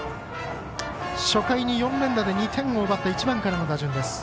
初回に４連打で２点を奪った１番からの打順です。